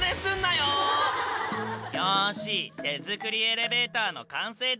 「よし手作りエレベーターの完成だ」